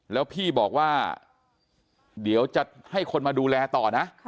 แล้วพี่บอกว่าเดี๋ยวจะให้คนมาดูแลต่อนะ